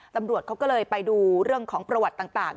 ตำรวจเขาก็เลยไปดูเรื่องของประวัติต่าง